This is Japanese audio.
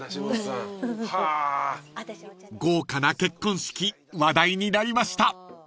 ［豪華な結婚式話題になりました］